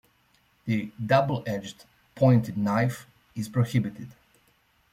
The double edged pointed knife is prohibited.